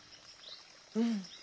うん。